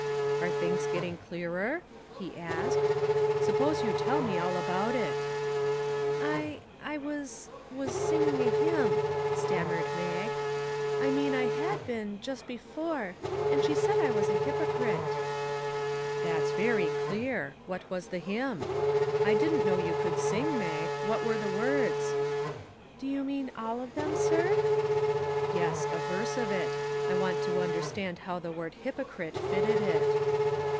"Are things getting clearer?" he asked. " Suppose you tell me all about it ?"" I I was was singing a hymn," stam mered Mag. " I mean I had been, just before, and she said I was a hypocrite." " That's very clear ! What was the hymn ? I didn't know you could sing, Mag. What were the words ?"" Do you mean all of them, sir? " :f Yes, a verse of it. I want to understand how the word ' hypocrite ' fitted it."